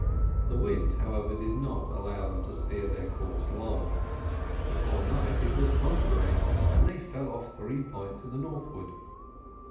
The wind, however, did not allow them to steer their course long; before night it was contrary, and they fell off three points to the northward.